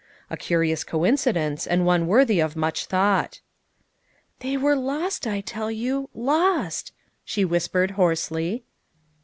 A curious coincidence, and one worthy of much thought." " They were lost, I tell you lost," she whispered hoarsely.